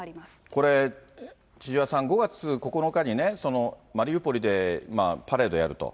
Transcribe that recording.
これ、千々和さん、５月９日にね、マリウポリでパレードやると。